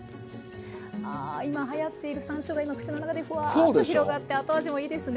あ今はやっているさんしょうが今口の中でフワーッと広がって後味もいいですね。